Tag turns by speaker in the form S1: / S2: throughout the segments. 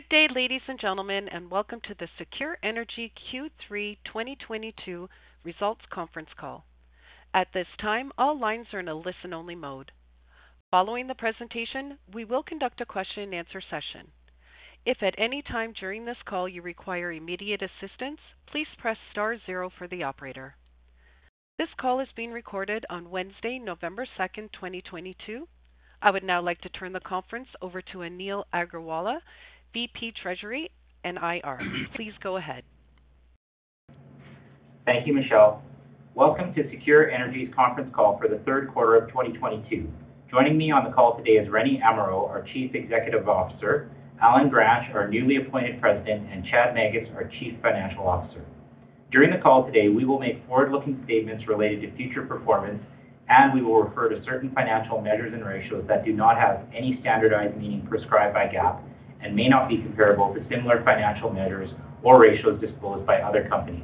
S1: Good day, ladies and gentlemen, and welcome to the SECURE Energy Q3 2022 Results Conference Call. At this time, all lines are in a listen-only mode. Following the presentation, we will conduct a question and answer session. If at any time during this call you require immediate assistance, please press star zero for the operator. This call is being recorded on Wednesday, November 2nd, 2022. I would now like to turn the conference over to Anil Aggarwala, VP, Treasury and IR. Please go ahead.
S2: Thank you, Michelle. Welcome to SECURE Energy's conference call for the third quarter of 2022. Joining me on the call today is Rene Amirault, our Chief Executive Officer, Allen Gransch, our newly appointed President, and Chad Magus, our Chief Financial Officer. During the call today, we will make forward-looking statements related to future performance, and we will refer to certain financial measures and ratios that do not have any standardized meaning prescribed by GAAP and may not be comparable to similar financial measures or ratios disclosed by other companies.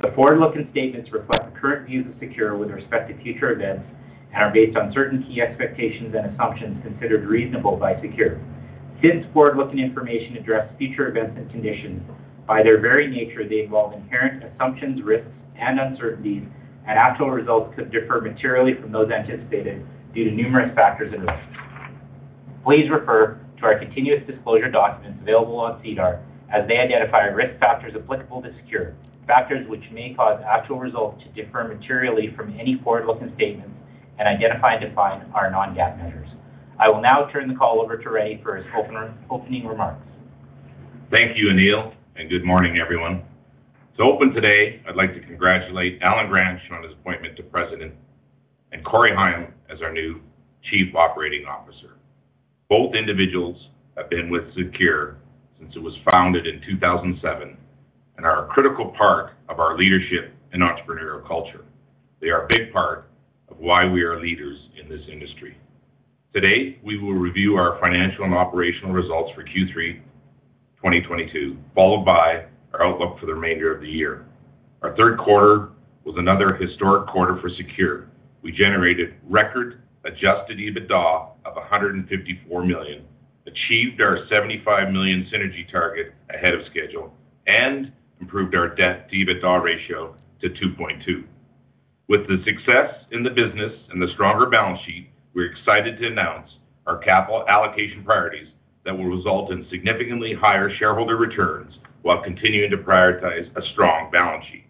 S2: The forward-looking statements reflect the current views of SECURE with respect to future events and are based on certain key expectations and assumptions considered reasonable by SECURE. Since forward-looking information addresses future events and conditions, by their very nature, they involve inherent assumptions, risks and uncertainties, and actual results could differ materially from those anticipated due to numerous factors and risks. Please refer to our continuous disclosure documents available on SEDAR as they identify risk factors applicable to SECURE, factors which may cause actual results to differ materially from any forward-looking statements and identify and define our non-GAAP measures. I will now turn the call over to Rene for his opening remarks.
S3: Thank you, Anil, and good morning, everyone. To open today, I'd like to congratulate Allen Gransch on his appointment to President and Corey Higham as our new Chief Operating Officer. Both individuals have been with SECURE since it was founded in 2007 and are a critical part of our leadership and entrepreneurial culture. They are a big part of why we are leaders in this industry. Today, we will review our financial and operational results for Q3 2022, followed by our outlook for the remainder of the year. Our third quarter was another historic quarter for SECURE. We generated record adjusted EBITDA of 154 million, achieved our 75 million synergy target ahead of schedule, and improved our debt-to-EBITDA ratio to 2.2. With the success in the business and the stronger balance sheet, we're excited to announce our capital allocation priorities that will result in significantly higher shareholder returns while continuing to prioritize a strong balance sheet.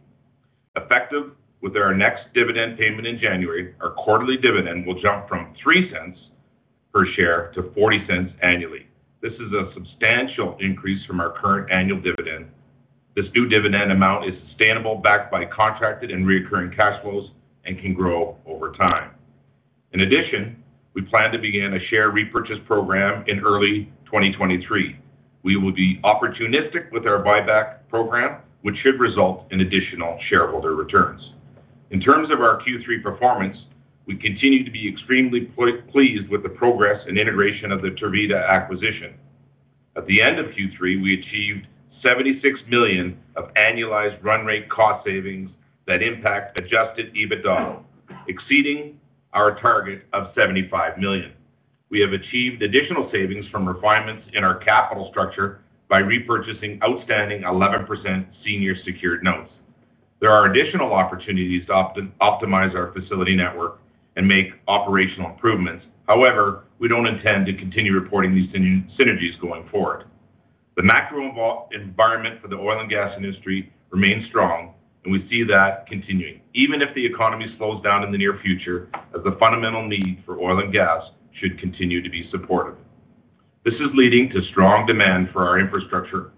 S3: Effective with our next dividend payment in January, our quarterly dividend will jump from 0.03 per share to 0.40 annually. This is a substantial increase from our current annual dividend. This new dividend amount is sustainable, backed by contracted and recurring cash flows, and can grow over time. In addition, we plan to begin a share repurchase program in early 2023. We will be opportunistic with our buyback program, which should result in additional shareholder returns. In terms of our Q3 performance, we continue to be extremely pleased with the progress and integration of the Tervita acquisition. At the end of Q3, we achieved 76 million of annualized run rate cost savings that impact adjusted EBITDA, exceeding our target of 75 million. We have achieved additional savings from refinements in our capital structure by repurchasing outstanding 11% senior secured notes. There are additional opportunities to optimize our facility network and make operational improvements. However, we don't intend to continue reporting these synergies going forward. The macro environment for the oil and gas industry remains strong, and we see that continuing even if the economy slows down in the near future, as the fundamental need for oil and gas should continue to be supportive. This is leading to strong demand for our infrastructure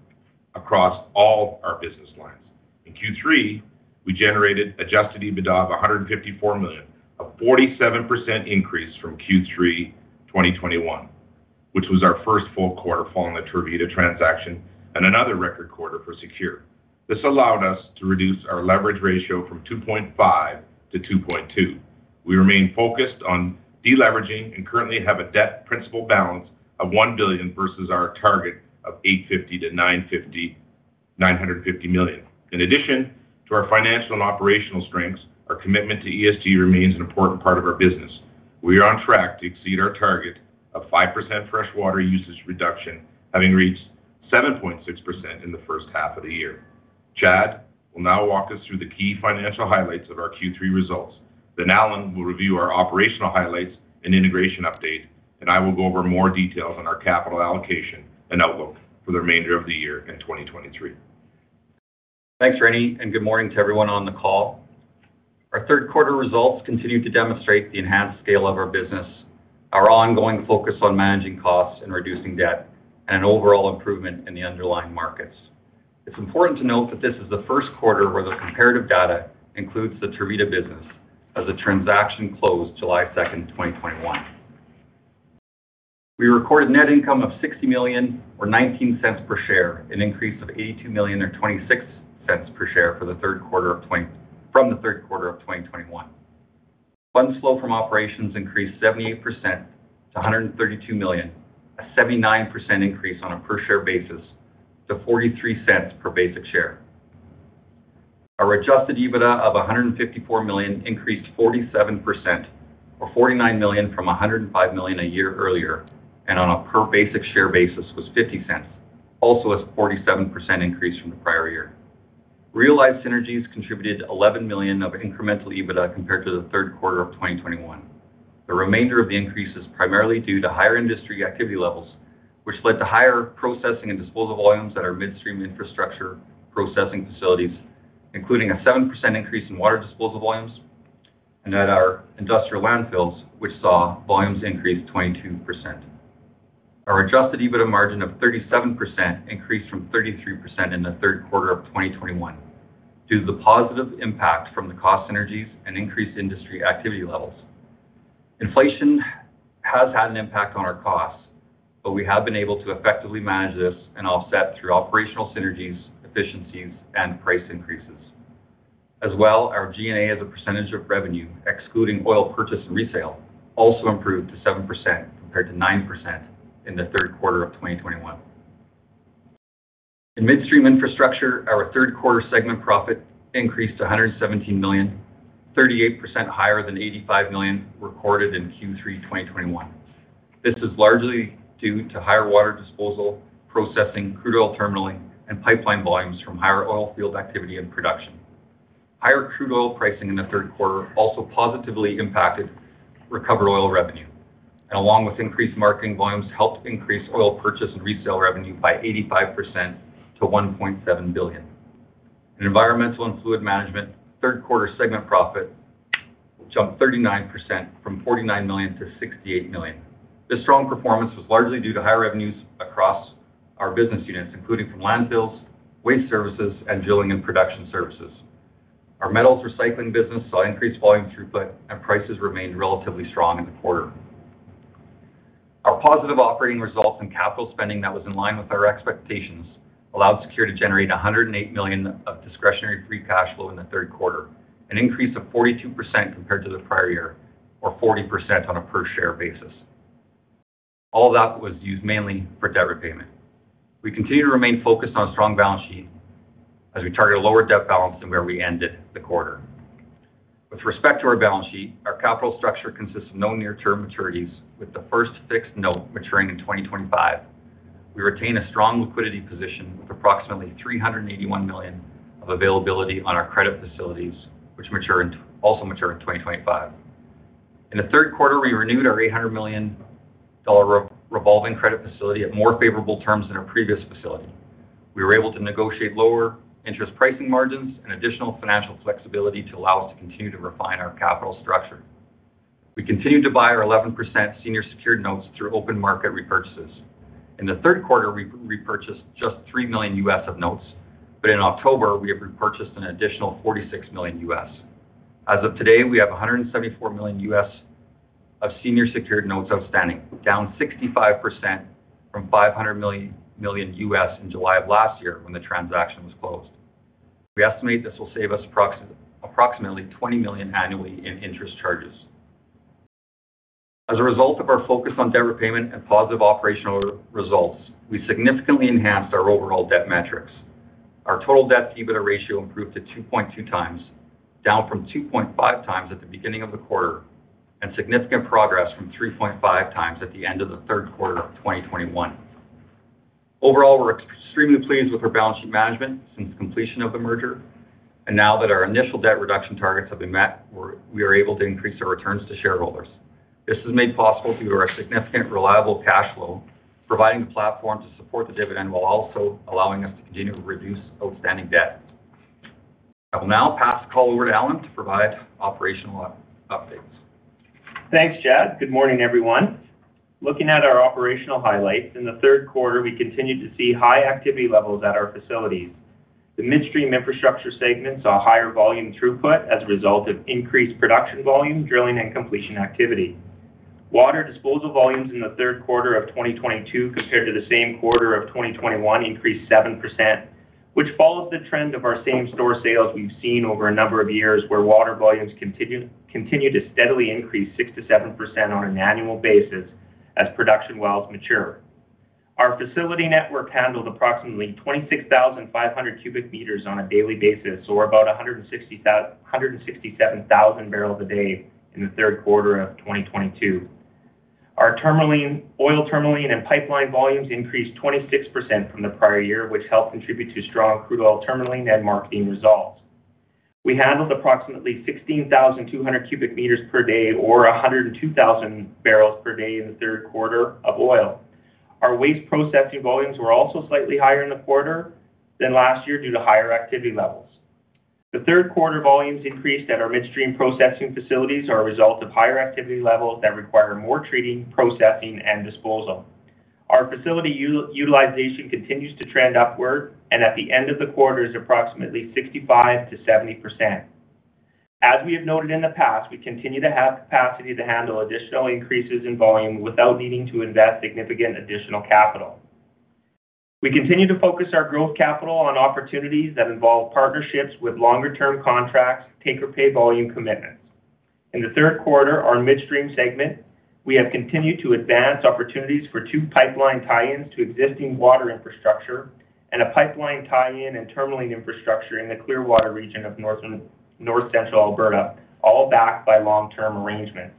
S3: across all our business lines. In Q3, we generated adjusted EBITDA of 154 million, a 47% increase from Q3 2021, which was our first full quarter following the Tervita transaction and another record quarter for SECURE. This allowed us to reduce our leverage ratio from 2.5 to 2.2. We remain focused on deleveraging and currently have a debt principal balance of 1 billion versus our target of 850 million-950 million. In addition to our financial and operational strengths, our commitment to ESG remains an important part of our business. We are on track to exceed our target of 5% fresh water usage reduction, having reached 7.6% in the first half of the year. Chad will now walk us through the key financial highlights of our Q3 results. Allen will review our operational highlights and integration update, and I will go over more details on our capital allocation and outlook for the remainder of the year in 2023.
S4: Thanks, Rene, and good morning to everyone on the call. Our third quarter results continue to demonstrate the enhanced scale of our business, our ongoing focus on managing costs and reducing debt, and an overall improvement in the underlying markets. It's important to note that this is the first quarter where the comparative data includes the Tervita business as the transaction closed July 2nd, 2021. We recorded net income of 60 million or 0.19 per share, an increase of 82 million or 0.26 per share from the third quarter of 2021. Funds flow from operations increased 78% to 132 million, a 79% increase on a per share basis to 0.43 per basic share. Our adjusted EBITDA of 154 million increased 47% or 49 million from 105 million a year earlier, and on a per basic share basis was 0.50, also as a 47% increase from the prior year. Realized synergies contributed 11 million of incremental EBITDA compared to the third quarter of 2021. The remainder of the increase is primarily due to higher industry activity levels, which led to higher processing and disposal volumes at our midstream infrastructure processing facilities, including a 7% increase in water disposal volumes and at our industrial landfills, which saw volumes increase 22%. Our adjusted EBITDA margin of 37% increased from 33% in the third quarter of 2021 due to the positive impact from the cost synergies and increased industry activity levels. Inflation has had an impact on our costs, but we have been able to effectively manage this and offset through operational synergies, efficiencies, and price increases. As well, our G&A as a percentage of revenue, excluding oil purchase and resale, also improved to 7% compared to 9% in the third quarter of 2021. In midstream infrastructure, our third quarter segment profit increased to 117 million, 38% higher than 85 million recorded in Q3 2021. This is largely due to higher water disposal, processing crude oil terminaling, and pipeline volumes from higher oil field activity and production. Higher crude oil pricing in the third quarter also positively impacted recovered oil revenue, and along with increased marketing volumes, helped increase oil purchase and resale revenue by 85% to 1.7 billion. In environmental and fluid management, third quarter segment profit jumped 39% from 49 million to 68 million. This strong performance was largely due to high revenues across our business units, including from landfills, waste services, and drilling and production services. Our metals recycling business saw increased volume throughput, and prices remained relatively strong in the quarter. Our positive operating results and capital spending that was in line with our expectations allowed SECURE to generate 108 million of discretionary free cash flow in the third quarter, an increase of 42% compared to the prior year or 40% on a per-share basis. All that was used mainly for debt repayment. We continue to remain focused on a strong balance sheet as we target a lower debt balance than where we ended the quarter. With respect to our balance sheet, our capital structure consists of no near-term maturities, with the first fixed note maturing in 2025. We retain a strong liquidity position with approximately 381 million of availability on our credit facilities, which also mature in 2025. In the third quarter, we renewed our 800 million dollar revolving credit facility at more favorable terms than our previous facility. We were able to negotiate lower interest pricing margins and additional financial flexibility to allow us to continue to refine our capital structure. We continued to buy our 11% senior secured notes through open market repurchases. In the third quarter, we repurchased just $3 million of notes, but in October, we have repurchased an additional $46 million. As of today, we have $174 million of senior secured notes outstanding, down 65% from $500 million in July of last year when the transaction was closed. We estimate this will save us approximately 20 million annually in interest charges. As a result of our focus on debt repayment and positive operational results, we significantly enhanced our overall debt metrics. Our total debt-to-EBITDA ratio improved to 2.2x, down from 2.5x at the beginning of the quarter, and significant progress from 3.5x at the end of the third quarter of 2021. Overall, we're extremely pleased with our balance sheet management since completion of the merger. Now that our initial debt reduction targets have been met, we are able to increase our returns to shareholders. This was made possible due to our significant reliable cash flow, providing the platform to support the dividend while also allowing us to continue to reduce outstanding debt. I will now pass the call over to Allen to provide operational updates.
S5: Thanks, Chad. Good morning, everyone. Looking at our operational highlights, in the third quarter, we continued to see high activity levels at our facilities. The midstream infrastructure segment saw higher volume throughput as a result of increased production volume, drilling, and completion activity. Water disposal volumes in the third quarter of 2022 compared to the same quarter of 2021 increased 7%, which follows the trend of our same-store sales we've seen over a number of years, where water volumes continue to steadily increase 6%-7% on an annual basis as production wells mature. Our facility network handled approximately 26,500 cubic meters on a daily basis, or about 167,000 barrels a day in the third quarter of 2022. Our terminaling, oil terminaling and pipeline volumes increased 26% from the prior year, which helped contribute to strong crude oil terminaling and marketing results. We handled approximately 16,200 cubic meters per day or 102,000 barrels per day in the third quarter of oil. Our waste processing volumes were also slightly higher in the quarter than last year due to higher activity levels. The third quarter volumes increase at our midstream processing facilities are a result of higher activity levels that require more treating, processing, and disposal. Our facility utilization continues to trend upward and at the end of the quarter is approximately 65%-70%. As we have noted in the past, we continue to have capacity to handle additional increases in volume without needing to invest significant additional capital. We continue to focus our growth capital on opportunities that involve partnerships with longer-term contracts, take-or-pay volume commitments. In the third quarter, our midstream segment, we have continued to advance opportunities for two pipeline tie-ins to existing water infrastructure and a pipeline tie-in and terminal infrastructure in the Clearwater region of North Central Alberta, all backed by long-term arrangements.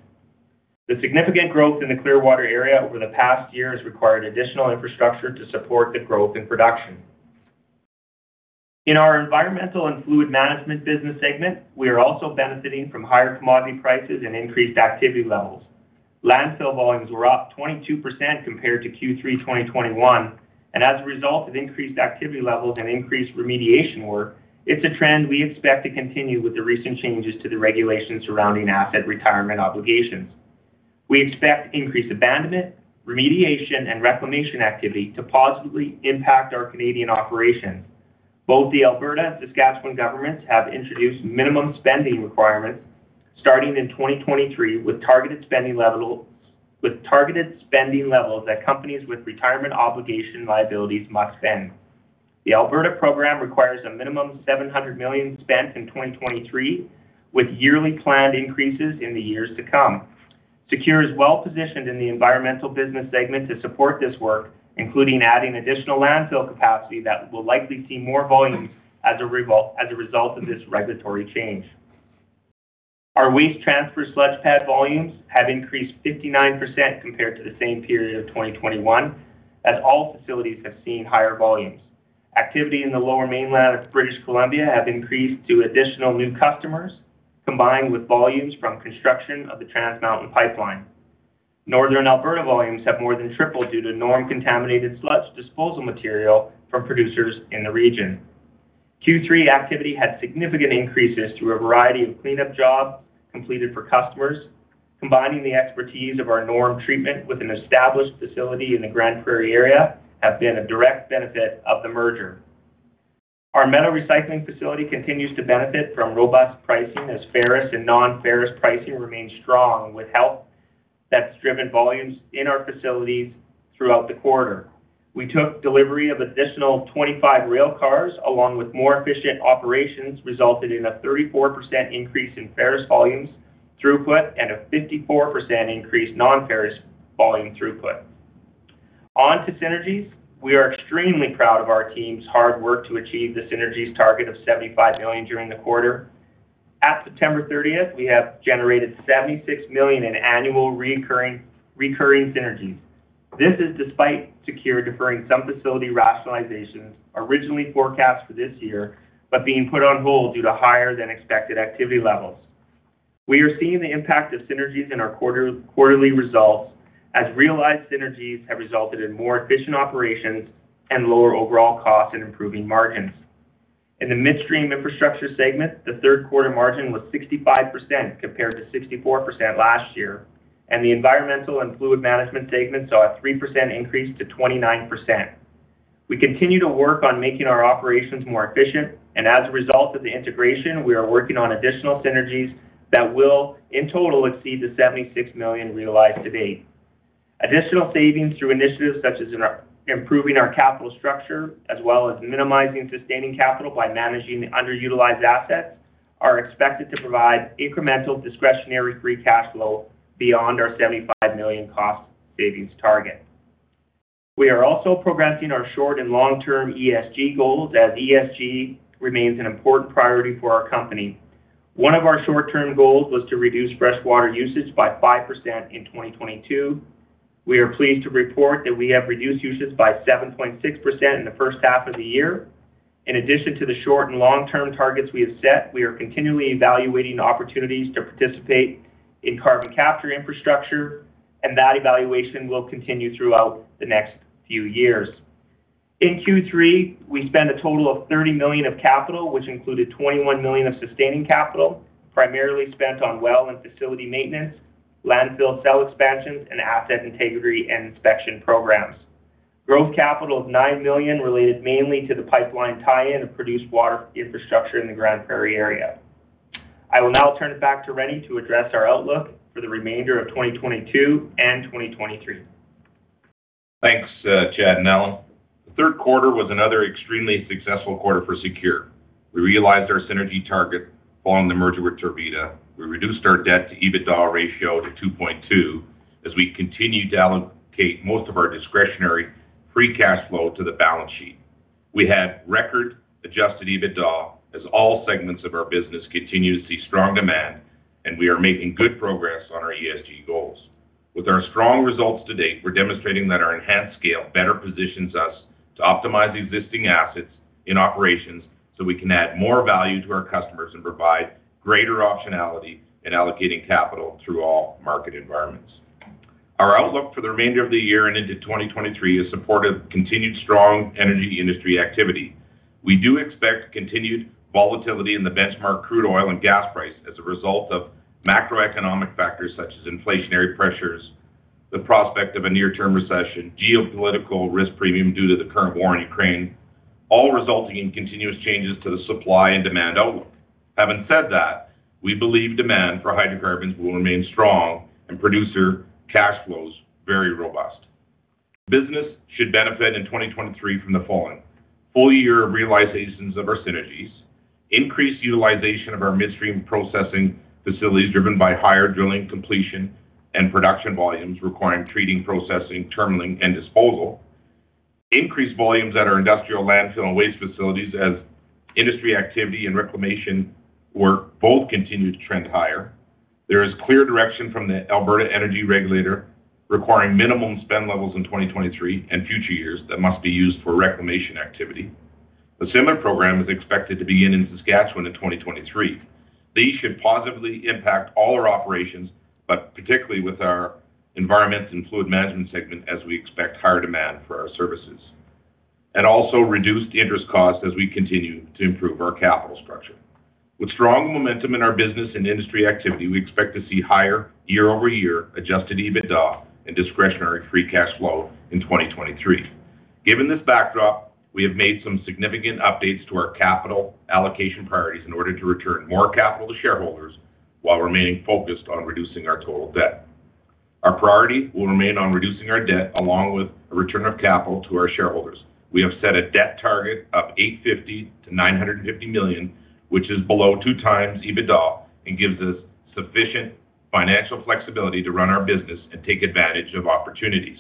S5: The significant growth in the Clearwater area over the past year has required additional infrastructure to support the growth in production. In our environmental and fluid management business segment, we are also benefiting from higher commodity prices and increased activity levels. Landfill volumes were up 22% compared to Q3 2021, and as a result of increased activity levels and increased remediation work, it's a trend we expect to continue with the recent changes to the regulations surrounding asset retirement obligations. We expect increased abandonment, remediation, and reclamation activity to positively impact our Canadian operations. Both the Alberta and Saskatchewan governments have introduced minimum spending requirements starting in 2023, with targeted spending levels that companies with asset retirement obligation liabilities must spend. The Alberta program requires a minimum 700 million spent in 2023, with yearly planned increases in the years to come. SECURE is well-positioned in the environmental business segment to support this work, including adding additional landfill capacity that will likely see more volumes as a result of this regulatory change. Our waste transfer sludge pad volumes have increased 59% compared to the same period of 2021, as all facilities have seen higher volumes. Activity in the lower mainland of British Columbia have increased to additional new customers, combined with volumes from construction of the Trans Mountain pipeline. Northern Alberta volumes have more than tripled due to NORM-contaminated sludge disposal material from producers in the region. Q3 activity had significant increases through a variety of cleanup jobs completed for customers. Combining the expertise of our NORM treatment with an established facility in the Grande Prairie area have been a direct benefit of the merger. Our metals recycling facility continues to benefit from robust pricing as ferrous and non-ferrous pricing remains strong, with help that's driven volumes in our facilities throughout the quarter. We took delivery of additional 25 rail cars, along with more efficient operations, resulting in a 34% increase in ferrous volumes throughput and a 54% increase non-ferrous volume throughput. On to synergies. We are extremely proud of our team's hard work to achieve the synergies target of 75 million during the quarter. As of September 30th, we have generated 76 million in annual recurring synergies. This is despite SECURE deferring some facility rationalizations originally forecast for this year, but being put on hold due to higher than expected activity levels. We are seeing the impact of synergies in our quarterly results as realized synergies have resulted in more efficient operations and lower overall costs and improving margins. In the midstream infrastructure segment, the third quarter margin was 65% compared to 64% last year, and the environmental and fluid management segment saw a 3% increase to 29%. We continue to work on making our operations more efficient and as a result of the integration, we are working on additional synergies that will in total exceed the 76 million realized to date. Additional savings through initiatives such as improving our capital structure, as well as minimizing sustaining capital by managing underutilized assets, are expected to provide incremental discretionary free cash flow beyond our 75 million cost savings target. We are also progressing our short and long-term ESG goals as ESG remains an important priority for our company. One of our short-term goals was to reduce freshwater usage by 5% in 2022. We are pleased to report that we have reduced usage by 7.6% in the first half of the year. In addition to the short and long-term targets we have set, we are continually evaluating opportunities to participate in carbon capture infrastructure, and that evaluation will continue throughout the next few years. In Q3, we spent a total of 30 million of capital, which included 21 million of sustaining capital, primarily spent on well and facility maintenance, landfill cell expansions, and asset integrity and inspection programs. Growth capital of 9 million related mainly to the pipeline tie-in of produced water infrastructure in the Grande Prairie area. I will now turn it back to Rene to address our outlook for the remainder of 2022 and 2023.
S3: Thanks, Chad and Allen. The third quarter was another extremely successful quarter for SECURE. We realized our synergy target following the merger with Tervita. We reduced our debt-to-EBITDA ratio to 2.2 as we continue to allocate most of our discretionary free cash flow to the balance sheet. We had record adjusted EBITDA as all segments of our business continue to see strong demand and we are making good progress on our ESG goals. With our strong results to date, we're demonstrating that our enhanced scale better positions us to optimize existing assets and operations so we can add more value to our customers and provide greater optionality in allocating capital through all market environments. Our outlook for the remainder of the year and into 2023 is supportive of continued strong energy industry activity. We do expect continued volatility in the benchmark crude oil and gas price as a result of macroeconomic factors such as inflationary pressures, the prospect of a near-term recession, geopolitical risk premium due to the current war in Ukraine, all resulting in continuous changes to the supply and demand outlook. Having said that, we believe demand for hydrocarbons will remain strong and producer cash flows very robust. Business should benefit in 2023 from the following. Full year realizations of our synergies. Increased utilization of our midstream processing facilities driven by higher drilling completion and production volumes requiring treating, processing, terminaling, and disposal. Increased volumes at our industrial landfill and waste facilities as industry activity and reclamation work both continue to trend higher. There is clear direction from the Alberta Energy Regulator requiring minimum spend levels in 2023 and future years that must be used for reclamation activity. A similar program is expected to begin in Saskatchewan in 2023. These should positively impact all our operations, but particularly with our environmental and fluid management segment as we expect higher demand for our services. Also reduced interest costs as we continue to improve our capital structure. With strong momentum in our business and industry activity, we expect to see higher year-over-year adjusted EBITDA and discretionary free cash flow in 2023. Given this backdrop, we have made some significant updates to our capital allocation priorities in order to return more capital to shareholders while remaining focused on reducing our total debt. Our priority will remain on reducing our debt along with a return of capital to our shareholders. We have set a debt target of 850 million-950 million, which is below 2x EBITDA and gives us sufficient financial flexibility to run our business and take advantage of opportunities.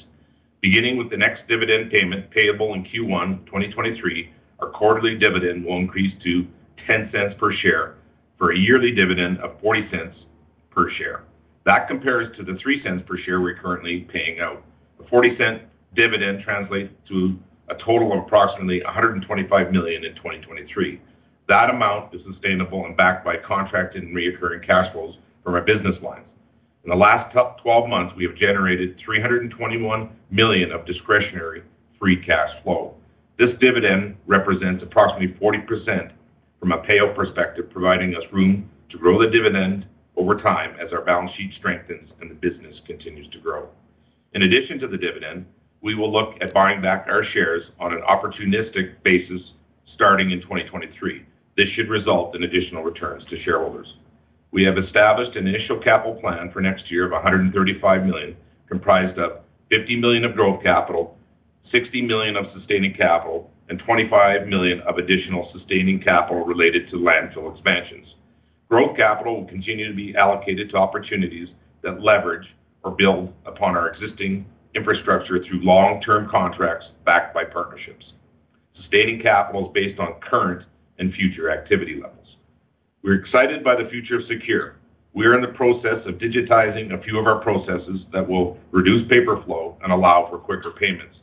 S3: Beginning with the next dividend payment payable in Q1 2023, our quarterly dividend will increase to 0.10 per share for a yearly dividend of 0.40 per share. That compares to the 0.03 per share we're currently paying out. The 0.40 per share dividend translates to a total of approximately 125 million in 2023. That amount is sustainable and backed by contract and recurring cash flows from our business lines. In the last 12 months, we have generated 321 million of discretionary free cash flow. This dividend represents approximately 40% from a payout perspective, providing us room to grow the dividend over time as our balance sheet strengthens and the business continues to grow. In addition to the dividend, we will look at buying back our shares on an opportunistic basis starting in 2023. This should result in additional returns to shareholders. We have established an initial capital plan for next year of 135 million, comprised of 50 million of growth capital, 60 million of sustaining capital, and 25 million of additional sustaining capital related to landfill expansions. Growth capital will continue to be allocated to opportunities that leverage or build upon our existing infrastructure through long-term contracts backed by partnerships. Sustaining capital is based on current and future activity levels. We're excited by the future of SECURE. We are in the process of digitizing a few of our processes that will reduce paper flow and allow for quicker payments.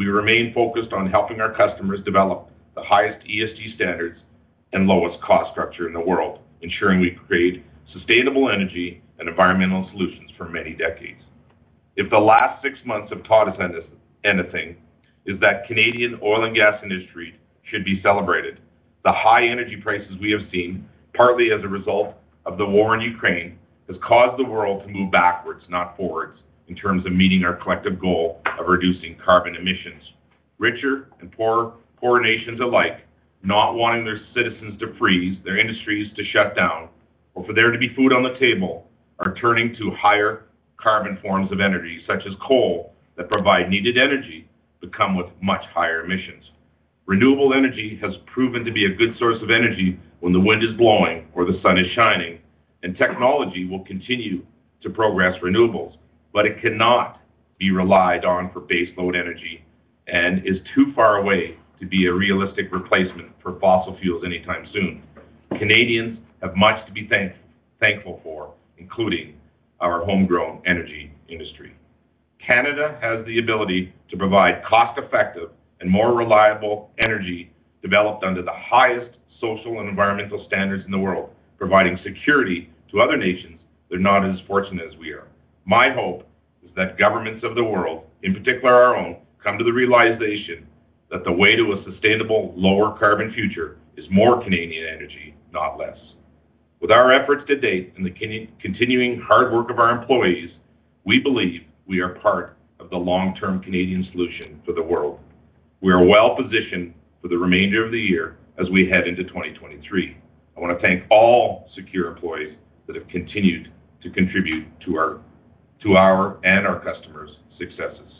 S3: We remain focused on helping our customers develop the highest ESG standards and lowest cost structure in the world, ensuring we create sustainable energy and environmental solutions for many decades. If the last six months have taught us anything, is that Canadian oil and gas industry should be celebrated. The high energy prices we have seen, partly as a result of the war in Ukraine, has caused the world to move backwards, not forwards, in terms of meeting our collective goal of reducing carbon emissions. Richer and poor nations alike, not wanting their citizens to freeze, their industries to shut down, or for there to be food on the table, are turning to higher carbon forms of energy, such as coal, that provide needed energy but come with much higher emissions. Renewable energy has proven to be a good source of energy when the wind is blowing or the sun is shining, and technology will continue to progress renewables, but it cannot be relied on for base load energy and is too far away to be a realistic replacement for fossil fuels anytime soon. Canadians have much to be thankful for, including our homegrown energy industry. Canada has the ability to provide cost-effective and more reliable energy developed under the highest social and environmental standards in the world, providing security to other nations that are not as fortunate as we are. My hope is that governments of the world, in particular our own, come to the realization that the way to a sustainable, lower carbon future is more Canadian energy, not less. With our efforts to date and the continuing hard work of our employees, we believe we are part of the long-term Canadian solution for the world. We are well positioned for the remainder of the year as we head into 2023. I want to thank all SECURE employees that have continued to contribute to our and our customers' successes.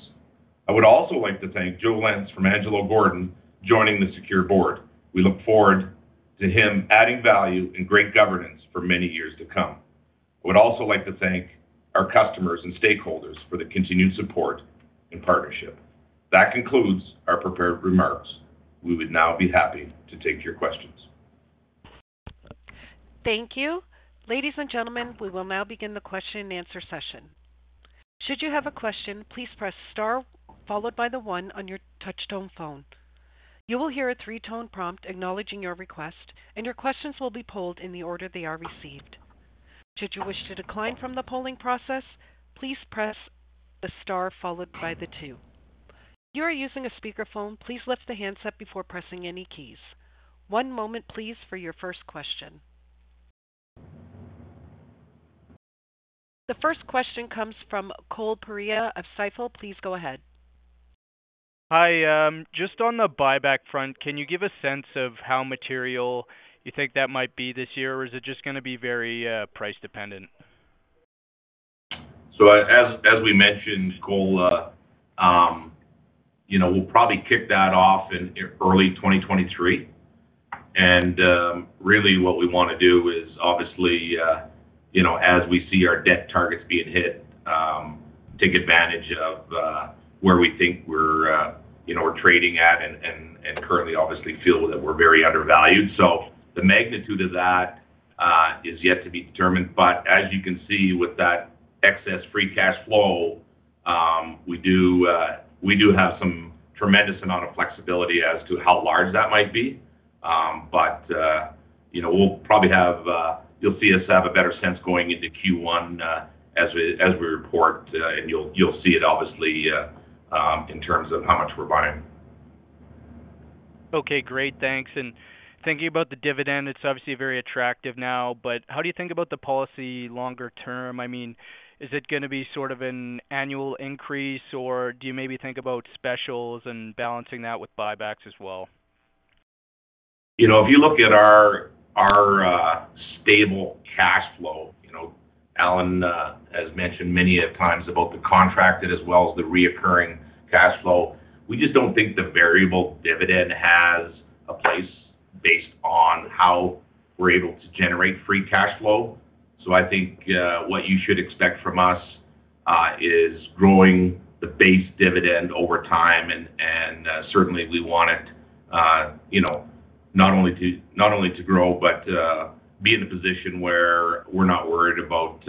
S3: I would also like to thank Joe Lenz from Angelo Gordon joining the SECURE board. We look forward to him adding value and great governance for many years to come. I would also like to thank our customers and stakeholders for their continued support and partnership. That concludes our prepared remarks. We would now be happy to take your questions.
S1: Thank you. Ladies and gentlemen, we will now begin the question and answer session. Should you have a question, please press star followed by the one on your touchtone phone. You will hear a three-tone prompt acknowledging your request, and your questions will be polled in the order they are received. Should you wish to decline from the polling process, please press the star followed by the two. If you are using a speakerphone, please lift the handset before pressing any keys. One moment, please, for your first question. The first question comes from Cole Proia of Cepheid. Please go ahead.
S6: Hi. Just on the buyback front, can you give a sense of how material you think that might be this year, or is it just gonna be very, price dependent?
S3: As we mentioned, Cole, you know, we'll probably kick that off in early 2023. Really what we wanna do is, obviously, you know, as we see our debt targets being hit, take advantage of where we think we're, you know, we're trading at and currently obviously feel that we're very undervalued. The magnitude of that is yet to be determined. As you can see with that excess free cash flow, we do have some tremendous amount of flexibility as to how large that might be. You know, we'll probably have. You'll see us have a better sense going into Q1 as we report. You'll see it obviously in terms of how much we're buying.
S6: Okay, great. Thanks. Thinking about the dividend, it's obviously very attractive now, but how do you think about the policy longer term? I mean, is it gonna be sort of an annual increase, or do you maybe think about specials and balancing that with buybacks as well?
S3: You know, if you look at our stable cash flow, you know, Allen has mentioned many a times about the contracted as well as the recurring cash flow. We just don't think the variable dividend has a place based on how we're able to generate free cash flow. I think what you should expect from us is growing the base dividend over time, and certainly we want it, you know, not only to grow, but to be in a position where we're not worried about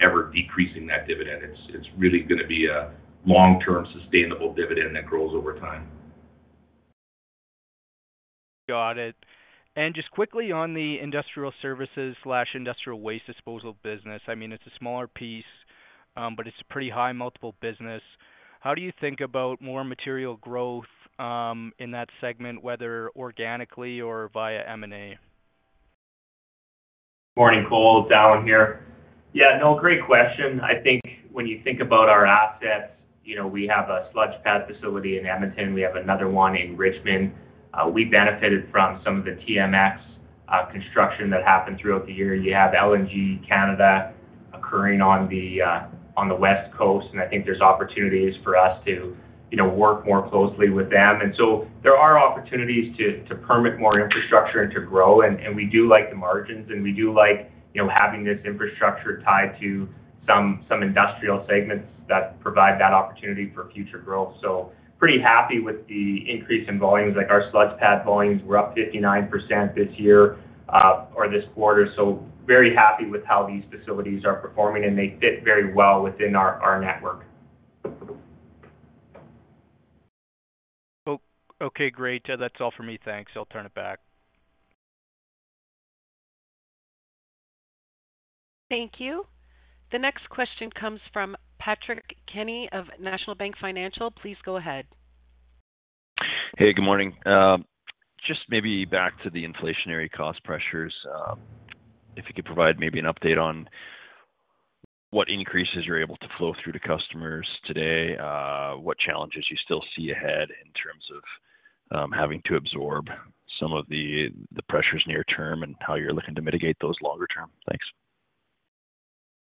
S3: ever decreasing that dividend. It's really gonna be a long-term sustainable dividend that grows over time.
S6: Got it. Just quickly on the industrial services/industrial waste disposal business. I mean, it's a smaller piece, but it's a pretty high multiple business. How do you think about more material growth, in that segment, whether organically or via M&A?
S5: Morning, Cole. Allen here. Yeah, no, great question. I think when you think about our assets, you know, we have a sludge pad facility in Edmonton. We have another one in Richmond. We benefited from some of the TMX construction that happened throughout the year. You have LNG Canada occurring on the West Coast, and I think there's opportunities for us to, you know, work more closely with them. There are opportunities to permit more infrastructure and to grow, and we do like the margins, and we do like, you know, having this infrastructure tied to some industrial segments that provide that opportunity for future growth. Pretty happy with the increase in volumes. Like our sludge pad volumes were up 59% this year or this quarter. Very happy with how these facilities are performing, and they fit very well within our network.
S6: Oh, okay. Great. That's all for me. Thanks. I'll turn it back.
S1: Thank you. The next question comes from Patrick Kenny of National Bank Financial. Please go ahead.
S7: Hey, good morning. Just maybe back to the inflationary cost pressures, if you could provide maybe an update on what increases you're able to flow through to customers today, what challenges you still see ahead in terms of having to absorb some of the pressures near term and how you're looking to mitigate those longer term. Thanks.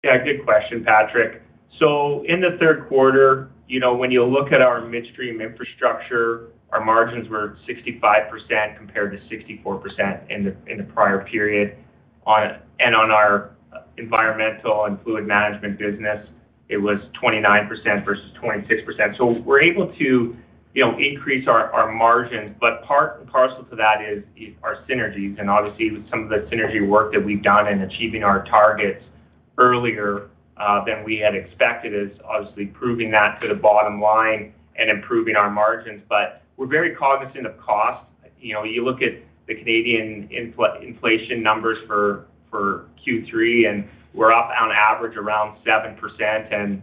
S5: Yeah, good question, Patrick. In the third quarter, you know, when you look at our midstream infrastructure, our margins were 65% compared to 64% in the prior period. On our environmental and fluid management business, it was 29% versus 26%. We're able to, you know, increase our margins. Part and parcel to that is our synergies. Obviously some of the synergy work that we've done in achieving our targets earlier than we had expected is obviously proving that to the bottom line and improving our margins. We're very cognizant of cost. You know, you look at the Canadian inflation numbers for Q3, and we're up on average around 7%.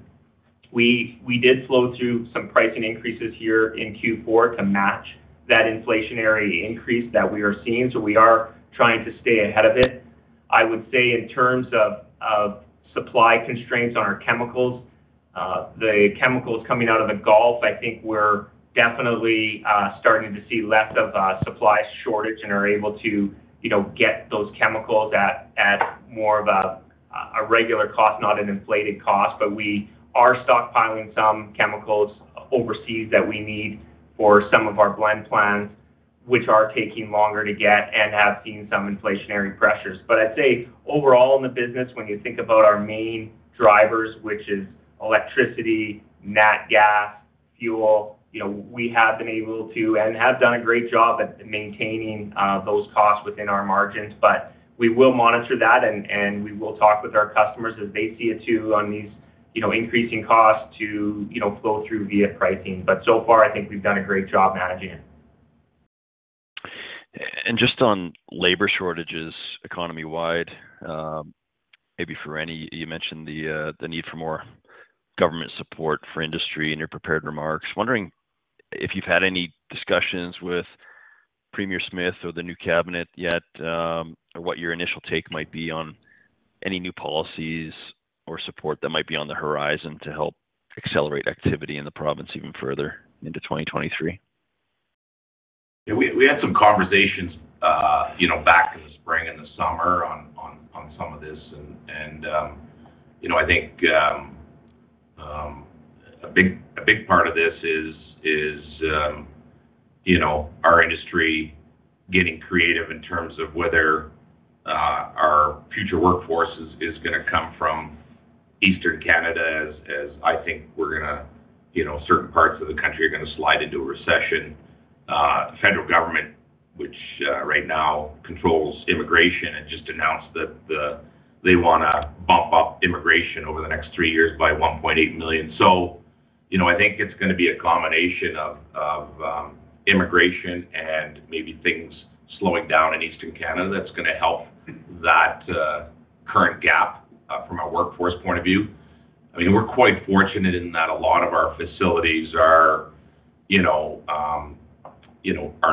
S5: We did flow through some pricing increases here in Q4 to match that inflationary increase that we are seeing. We are trying to stay ahead of it. I would say in terms of supply constraints on our chemicals, the chemicals coming out of the Gulf, I think we're definitely starting to see less of a supply shortage and are able to, you know, get those chemicals at more of a regular cost, not an inflated cost. We are stockpiling some chemicals overseas that we need for some of our blend plans, which are taking longer to get and have seen some inflationary pressures. I'd say overall in the business, when you think about our main drivers, which is electricity, nat gas, fuel, you know, we have been able to, and have done a great job at maintaining those costs within our margins. we will monitor that and we will talk with our customers as they see it too, on these, you know, increasing costs to, you know, flow through via pricing. so far, I think we've done a great job managing it.
S7: Just on labor shortages economy-wide, maybe for Rene You mentioned the need for more government support for industry in your prepared remarks. Wondering if you've had any discussions with Premier Smith or the new cabinet yet, or what your initial take might be on any new policies or support that might be on the horizon to help accelerate activity in the province even further into 2023?
S3: Yeah, we had some conversations, you know, back in the spring and the summer on some of this. You know, I think a big part of this is, you know, our industry getting creative in terms of whether our future workforce is gonna come from Eastern Canada as I think we're gonna, you know, certain parts of the country are gonna slide into a recession. Federal government, which right now controls immigration and just announced that they wanna bump up immigration over the next 3 years by 1.8 million. You know, I think it's gonna be a combination of immigration and maybe things slowing down in Eastern Canada that's gonna help that current gap from a workforce point of view. I mean, we're quite fortunate in that a lot of our facilities are, you know,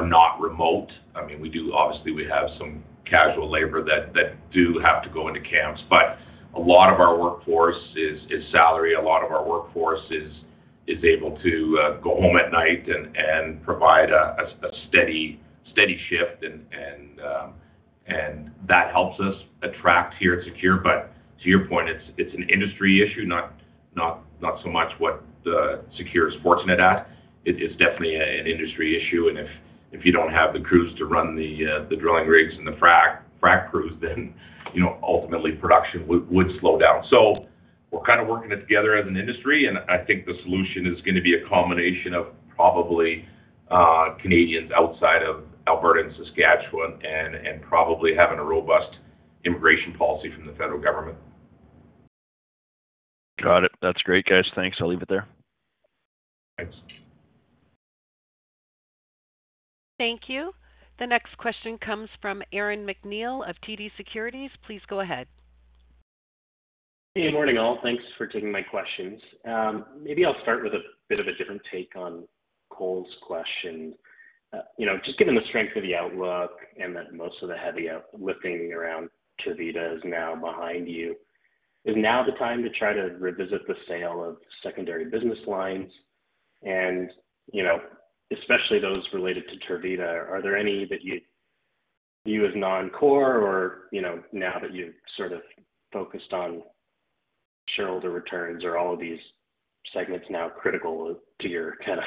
S3: not remote. I mean, we do obviously have some casual labor that do have to go into camps. A lot of our workforce is salary. A lot of our workforce is able to go home at night and provide a steady shift. That helps us attract here at SECURE. To your point, it's an industry issue, not so much what SECURE's fortunate at. It is definitely an industry issue. If you don't have the crews to run the drilling rigs and the frac crews, then, you know, ultimately production would slow down. We're kind of working it together as an industry, and I think the solution is gonna be a combination of probably, Canadians outside of Alberta and Saskatchewan and probably having a robust immigration policy from the federal government.
S7: Got it. That's great, guys. Thanks. I'll leave it there.
S3: Thanks.
S1: Thank you. The next question comes from Aaron MacNeil of TD Securities. Please go ahead.
S8: Hey, morning all. Thanks for taking my questions. Maybe I'll start with a bit of a different take on Cole's question. You know, just given the strength of the outlook and that most of the heavy lifting around Tervita is now behind you, is now the time to try to revisit the sale of secondary business lines and, you know, especially those related to Tervita. Are there any that you view as non-core or, you know, now that you've sort of focused on shareholder returns, are all of these segments now critical to your kind of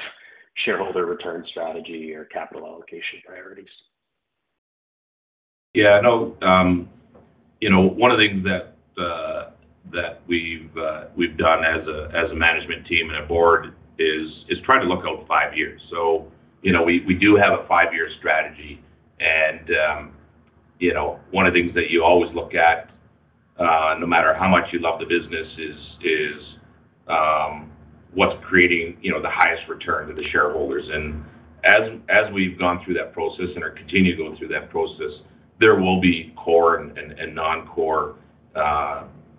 S8: shareholder return strategy or capital allocation priorities?
S3: Yeah, no. You know, one of the things that we've done as a management team and a board is try to look out five years. You know, we do have a five-year strategy. You know, one of the things that you always look at, no matter how much you love the business is what's creating the highest return to the shareholders. As we've gone through that process and are continuing to go through that process, there will be core and non-core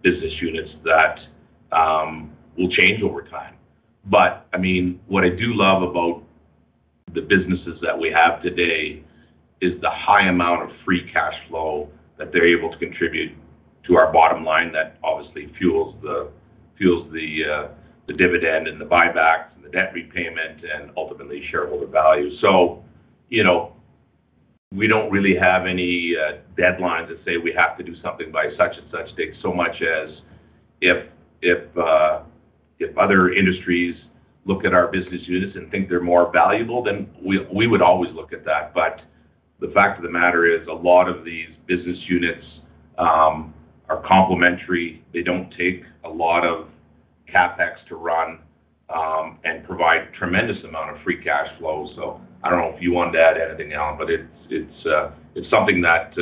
S3: business units that will change over time. I mean, what I do love about the businesses that we have today is the high amount of free cash flow that they're able to contribute to our bottom line that obviously fuels the dividend and the buybacks and the debt repayment and ultimately shareholder value. You know, we don't really have any deadlines that say we have to do something by such and such date, so much as if other industries look at our business units and think they're more valuable, then we would always look at that. The fact of the matter is, a lot of these business units are complementary. They don't take a lot of CapEx to run and provide tremendous amount of free cash flow. I don't know if you want to add anything, Allen, but it's something that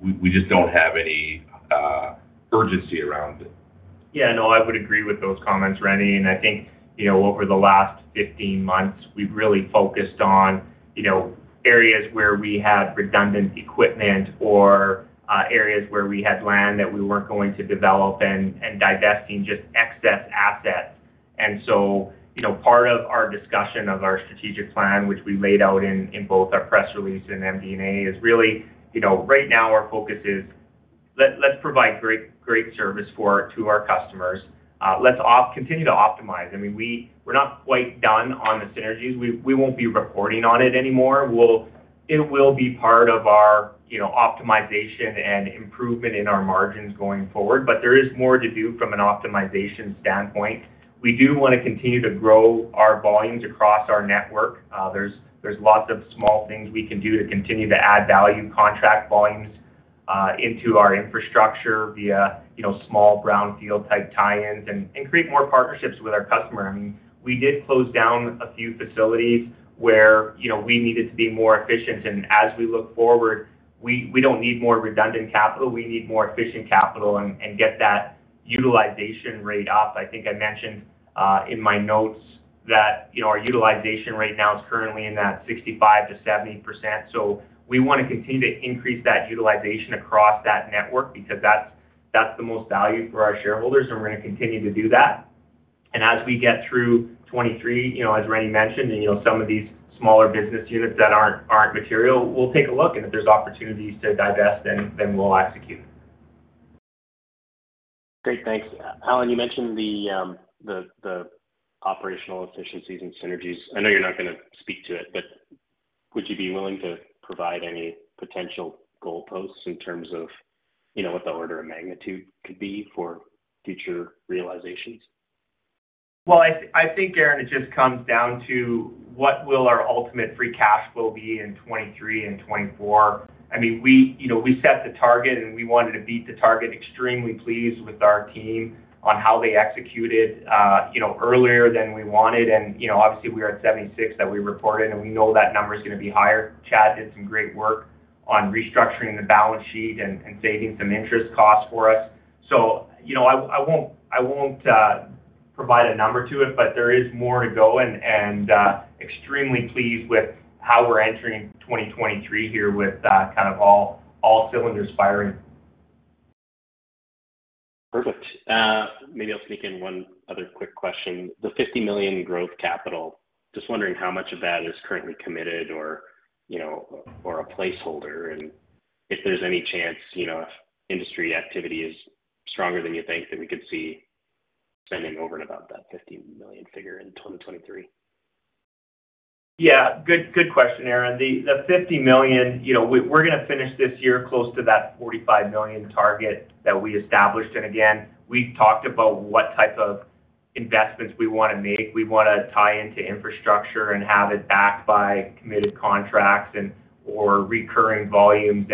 S3: we just don't have any urgency around it.
S5: Yeah, no, I would agree with those comments, Rene. I think, you know, over the last 15 months, we've really focused on, you know, areas where we had redundant equipment or areas where we had land that we weren't going to develop and divesting just excess assets. You know, part of our discussion of our strategic plan, which we laid out in both our press release and MD&A, is really, you know, right now our focus is, let's provide great service to our customers. Let's continue to optimize. I mean, we're not quite done on the synergies. We won't be reporting on it anymore. It will be part of our, you know, optimization and improvement in our margins going forward. But there is more to do from an optimization standpoint. We do wanna continue to grow our volumes across our network. There's lots of small things we can do to continue to add value contract volumes into our infrastructure via, you know, small brownfield-type tie-ins and create more partnerships with our customer. I mean, we did close down a few facilities where, you know, we needed to be more efficient. As we look forward, we don't need more redundant capital, we need more efficient capital and get that utilization rate up. I think I mentioned in my notes that, you know, our utilization rate now is currently in that 65%-70%. We wanna continue to increase that utilization across that network because that's the most value for our shareholders, and we're gonna continue to do that. As we get through 2023, you know, as Rene mentioned, and, you know, some of these smaller business units that aren't material, we'll take a look. If there's opportunities to divest, then we'll execute.
S8: Great. Thanks. Allen, you mentioned the operational efficiencies and synergies. I know you're not gonna speak to it, but would you be willing to provide any potential goalposts in terms of, you know, what the order of magnitude could be for future realizations?
S5: I think, Aaron, it just comes down to what will our ultimate free cash flow be in 2023 and 2024. I mean, we, you know, we set the target, and we wanted to beat the target. Extremely pleased with our team on how they executed, you know, earlier than we wanted. You know, obviously we are at 76 that we reported, and we know that number is gonna be higher. Chad did some great work on restructuring the balance sheet and saving some interest costs for us. You know, I won't provide a number to it, but there is more to go and extremely pleased with how we're entering 2023 here with kind of all cylinders firing.
S8: Perfect. Maybe I'll sneak in one other quick question. The 50 million growth capital, just wondering how much of that is currently committed or, you know, or a placeholder, and if there's any chance, you know, if industry activity is stronger than you think, that we could see spending over and above that 50 million figure in 2023?
S5: Yeah. Good question, Aaron. The 50 million, you know, we're gonna finish this year close to that 45 million target that we established. Again, we've talked about what type of investments we wanna make. We wanna tie into infrastructure and have it backed by committed contracts or recurring volumes.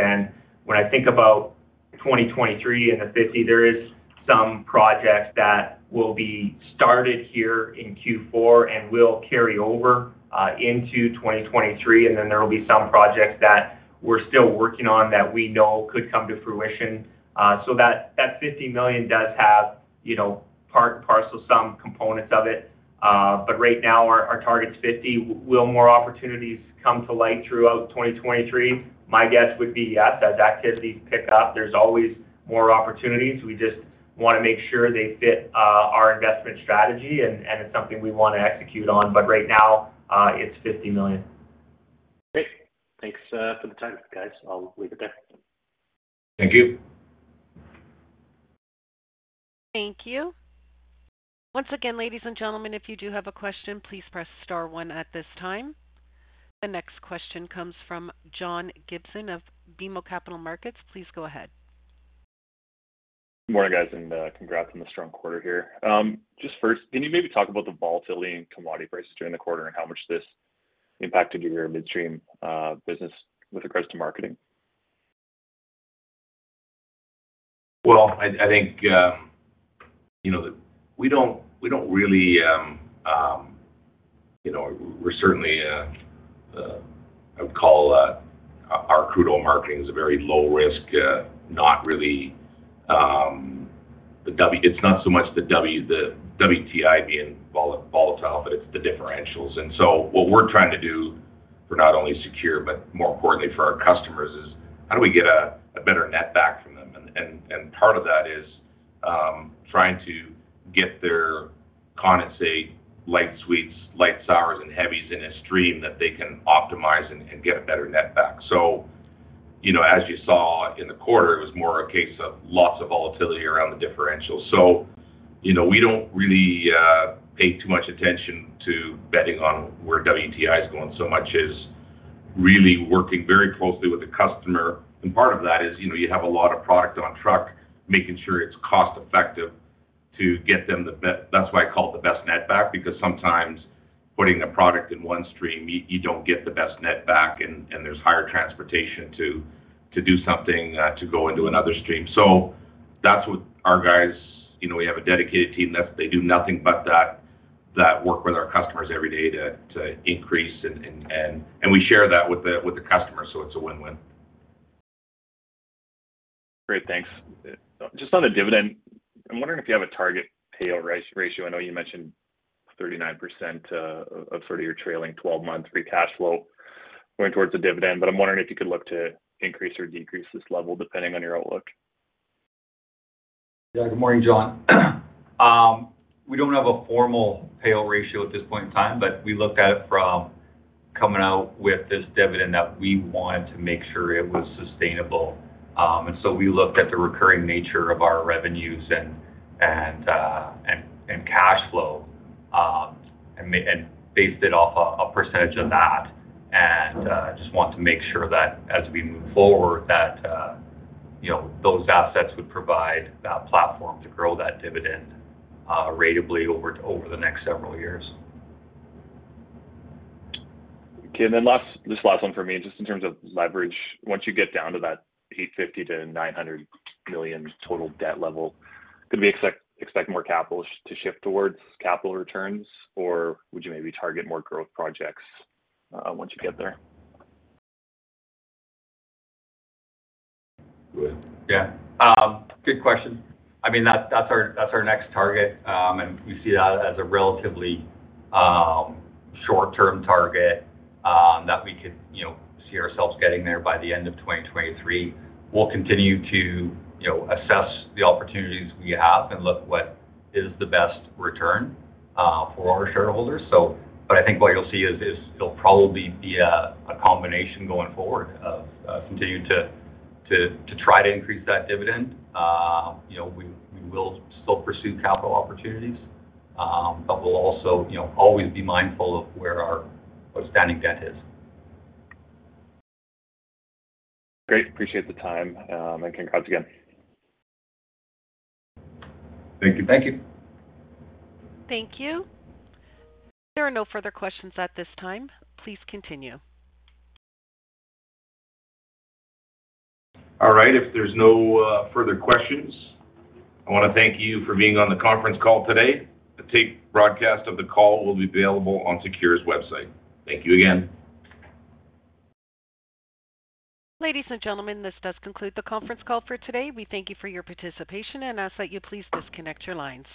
S5: When I think about 2023 and the 50 million, there are some projects that will be started here in Q4 and will carry over into 2023, and then there will be some projects that we're still working on that we know could come to fruition. So that 50 million does have, you know, part and parcel some components of it. But right now our target's 50 million. Will more opportunities come to light throughout 2023? My guess would be yes. As activities pick up, there's always more opportunities. We just wanna make sure they fit our investment strategy and it's something we wanna execute on. Right now, it's 50 million.
S8: Great. Thanks for the time, guys. I'll leave it there.
S3: Thank you.
S1: Thank you. Once again, ladies and gentlemen, if you do have a question, please press star one at this time. The next question comes from John Gibson of BMO Capital Markets. Please go ahead.
S9: Good morning, guys, and congrats on the strong quarter here. Just first, can you maybe talk about the volatility in commodity prices during the quarter and how much this impacted your midstream business with regards to marketing?
S3: Well, I think, you know, we don't really, you know. We're certainly, I would call our crude oil marketing as a very low risk, not really the WTI being volatile, but it's the differentials. What we're trying to do, for not only SECURE, but more importantly for our customers, is how do we get a better net back from them? Part of that is trying to get their condensate light sweets, light sours, and heavies in a stream that they can optimize and get a better net back. You know, as you saw in the quarter, it was more a case of lots of volatility around the differential. You know, we don't really pay too much attention to betting on where WTI is going so much as really working very closely with the customer. Part of that is, you know, you have a lot of product on truck, making sure it's cost effective to get them the best net back. That's why I call it the best net back, because sometimes putting a product in one stream, you don't get the best net back and there's higher transportation to do something to go into another stream. That's what our guys do. You know, we have a dedicated team that they do nothing but that work with our customers every day to increase and we share that with the customer, so it's a win-win.
S9: Great. Thanks. Just on the dividend, I'm wondering if you have a target payout ratio. I know you mentioned 39%, of sort of your trailing 12-month free cash flow going towards the dividend, but I'm wondering if you could look to increase or decrease this level depending on your outlook.
S4: Yeah. Good morning, John. We don't have a formal payout ratio at this point in time, but we looked at it from coming out with this dividend that we want to make sure it was sustainable. And so we looked at the recurring nature of our revenues and cash flow, and based it off a percentage of that. Just want to make sure that as we move forward, that you know, those assets would provide that platform to grow that dividend ratably over the next several years.
S9: Last, just last one from me. In terms of leverage, once you get down to that 850 million-900 million total debt level, could we expect more capital to shift towards capital returns, or would you maybe target more growth projects, once you get there?
S3: Go ahead.
S4: Yeah. Good question. I mean, that's our next target. We see that as a relatively short-term target that we could, you know, see ourselves getting there by the end of 2023. We'll continue to, you know, assess the opportunities we have and look at what is the best return for our shareholders. I think what you'll see is it'll probably be a combination going forward of continuing to try to increase that dividend. You know, we will still pursue capital opportunities, but we'll also, you know, always be mindful of where our outstanding debt is.
S9: Great. Appreciate the time. Congrats again.
S3: Thank you.
S5: Thank you.
S1: Thank you. There are no further questions at this time. Please continue.
S3: All right. If there's no further questions, I wanna thank you for being on the conference call today. A tape broadcast of the call will be available on SECURE's website. Thank you again.
S1: Ladies and gentlemen, this does conclude the conference call for today. We thank you for your participation and ask that you please disconnect your lines.